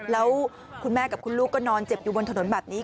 แล้วคุณแม่กับคุณลูกก็นอนเจ็บอยู่บนถนนแบบนี้